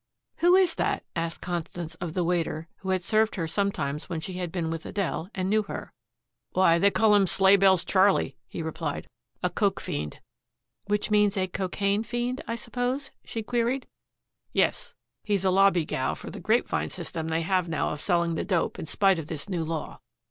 "Who is that?" asked Constance of the waiter who had served her sometimes when she had been with Adele, and knew her. "Why, they call him Sleighbells Charley," he replied, "a coke fiend." "Which means a cocaine fiend, I suppose!" she queried. "Yes. He's a lobbygow for the grapevine system they have now of selling the dope in spite of this new law."